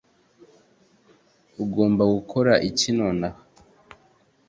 ugomba gukora iki nonaha